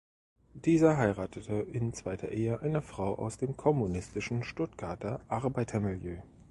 Dieser heiratete in zweiter Ehe eine Frau aus dem kommunistischen Stuttgarter Arbeitermilieu.